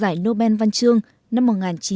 giải nobel văn chương năm một nghìn chín trăm sáu mươi năm